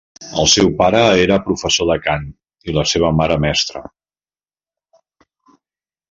El seu pare era professor de cant i la seva mare mestra.